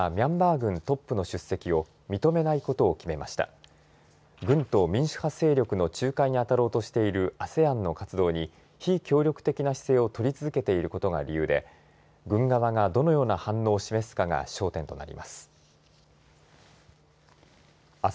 軍と民主派勢力の仲介にあたろうとしているＡＳＥＡＮの活動に非協力的な姿勢を取り続けていることが理由で軍側がどのような反応を示すかが焦点となります。